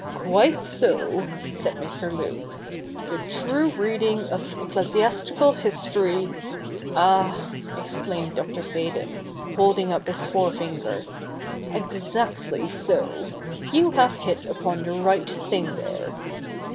'Quite so,' said Mr. Luke. 'The true reading of ecclesiastical history '' Ah I ' exclaimed Dr. Seydon, holding up his fore finger, ' exactly so. You have hit upon the right thing there.'